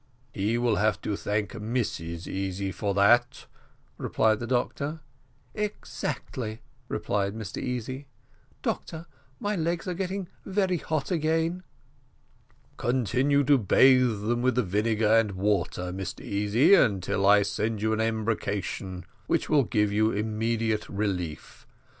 "He will have to thank Mrs Easy for that," replied the doctor. "Exactly," replied Mr Easy. "Doctor, my legs are getting very hot again." "Continue to bathe them with the vinegar and water, Mr Easy, until I send you an embrocation, which will give you immediate relief.